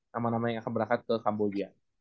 nama namanya yang akan berangkat ke tambol dia ya